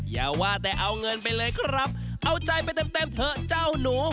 อย่าว่าแต่เอาเงินไปเลยครับเอาใจไปเต็มเต็มเถอะเจ้าหนู